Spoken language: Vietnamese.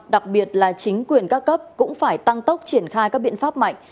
đặc biệt là chính quyền các cấp cũng phải tăng tốc triển khai các biện pháp mạnh